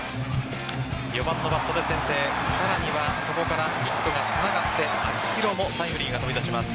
４番のバットで先制さらにはそこからヒットがつながって秋広にもタイムリーが飛び出します。